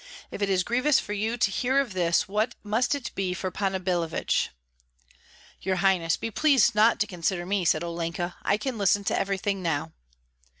If it is grievous for you to hear of this, what must it be for Panna Billevich?" "Your highness, be pleased not to consider me," said Olenka; "I can listen to everything now."